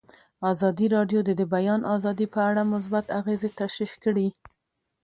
ازادي راډیو د د بیان آزادي په اړه مثبت اغېزې تشریح کړي.